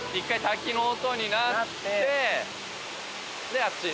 であっち。